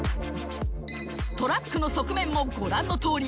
トラックの側面もご覧のとおり。